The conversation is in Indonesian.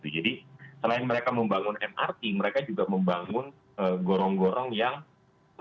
jadi selain mereka membangun mrt mereka juga membangun gorong gorong yang proper